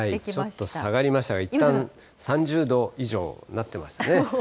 ちょっと下がりましたが、いったん３０度以上になってましたね。